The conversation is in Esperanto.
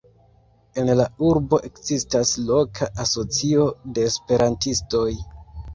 En la urbo ekzistas loka asocio de esperantistoj.